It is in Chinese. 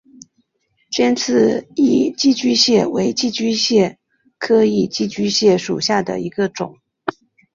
尖刺异寄居蟹为寄居蟹科异寄居蟹属下的一个种。